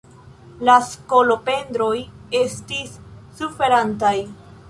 Ia skolopendroj estis suferantaj.